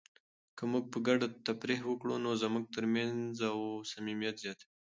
که موږ په ګډه تفریح وکړو نو زموږ ترمنځ مینه او صمیمیت زیاتیږي.